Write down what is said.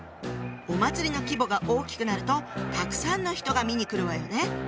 お祭りの規模が大きくなるとたくさんの人が見に来るわよね。